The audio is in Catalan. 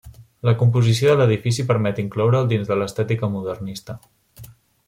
La composició de l'edifici permet incloure'l dins de l'estètica modernista.